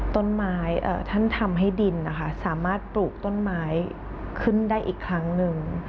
ต้นไม้ท่านทำให้ดินนะคะสามารถปลูกต้นไม้ขึ้นได้อีกครั้งหนึ่ง